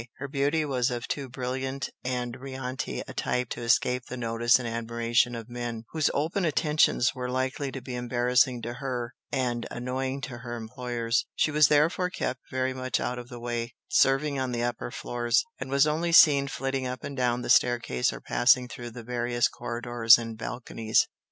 Her beauty was of too brilliant and riante a type to escape the notice and admiration of men, whose open attentions were likely to be embarrassing to her, and annoying to her employers. She was therefore kept very much out of the way, serving on the upper floors, and was only seen flitting up and down the staircase or passing through the various corridors and balconies.